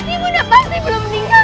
ibu nda pasti belum meninggal